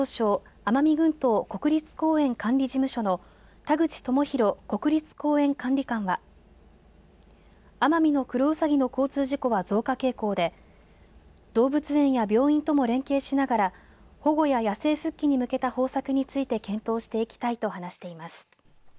奄美群島国立公園管理事務所の田口知宏国立公園管理官はアマミノクロウサギの交通事故は増加傾向で動物園や病院とも連携しながら保護や野生復帰に向けた方策について検討していきたいと話しています。